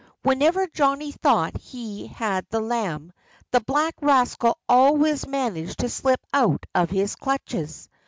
Whenever Johnnie thought he had the lamb the black rascal always managed to slip out of his clutches.